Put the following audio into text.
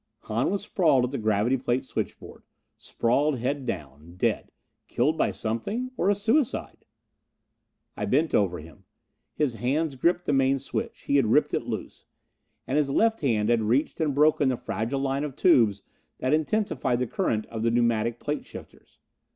Hahn was sprawled at the gravity plate switchboard. Sprawled, head down. Dead. Killed by something? Or a suicide? I bent over him. His hands gripped the main switch. He had ripped it loose. And his left hand had reached and broken the fragile line of tubes that intensified the current of the pneumatic plate shifters.